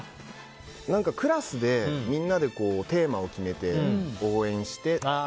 クラスでみんなでテーマを決めて応援して。